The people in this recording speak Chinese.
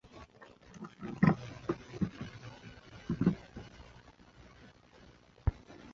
大人没拿小孩没拿